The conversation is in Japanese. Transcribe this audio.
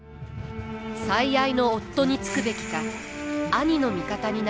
最愛の夫につくべきか兄の味方になるべきか。